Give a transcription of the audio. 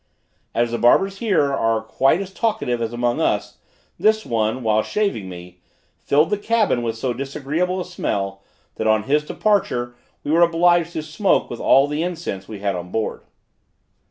As the barbers here are quite as talkative as among us, this one, while shaving me, filled the cabin with so disagreeable a smell, that, on his departure, we were obliged to smoke with all the incense we had on board.